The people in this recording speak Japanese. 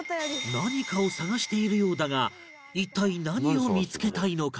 何かを探しているようだが一体何を見つけたいのか？